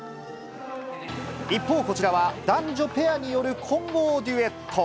一方、こちらは男女ペアによる混合デュエット。